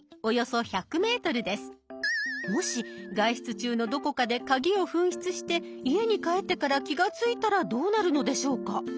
もし外出中のどこかでカギを紛失して家に帰ってから気がついたらどうなるのでしょうか。